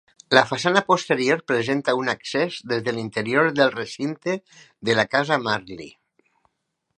La façana posterior presenta un accés des de l'interior del recinte de la casa Marly.